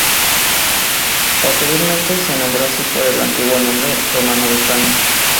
Posteriormente se nombró así por el antiguo nombre romano de España.